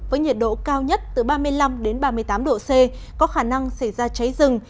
với nhiệt độ cao nhất từ ba mươi năm ba mươi tám độ c có khả năng xảy ra cháy rừng